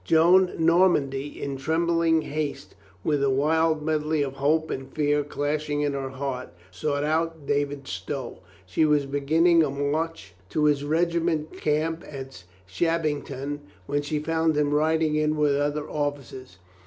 Joan Normandy, In trembling haste, with a wild medley of hope and fear clashing in her heart, sought out David Stow. She was beginning a march 409 4IO COLONEL GREATHEART to his regiment's camp at Shabbington when she found him riding in with other officers.